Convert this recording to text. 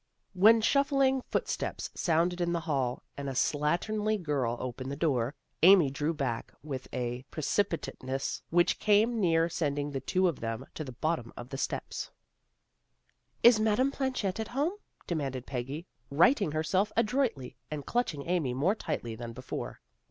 When shuffling foot steps sounded in the hall, and a slatternly girl opened the door, Amy drew back with a pre cipitateness which came near sending the two of them to the bottom of the steps. 308 THE GIRLS OF FRIENDLY TERRACE " Is Madame Planchet at home? " demanded Peggy, righting herself adroitly, and clutching Amy more tightly than before.